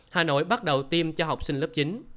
hà nội bắt đầu tiêm cho học sinh lớp chín